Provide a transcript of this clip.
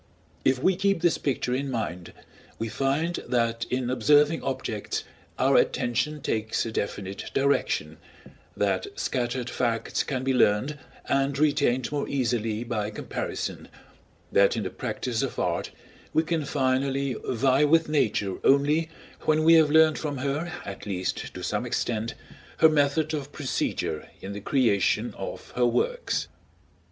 If we keep this picture in mind, we find that in observing objects our attention takes a definite direction, that scattered facts can be learned and retained more easily by comparison, that in the practice of art we can finally vie with Nature only when we have learned from her, at least to some extent, her method of procedure in the creation of her works.